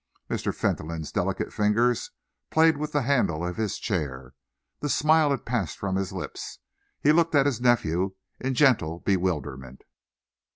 Mr. Fentolin's delicate fingers played with the handle of his chair. The smile had passed from his lips. He looked at his nephew in gentle bewilderment.